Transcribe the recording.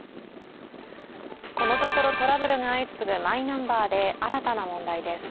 このところトラブルが相次ぐマイナンバーで新たな問題です。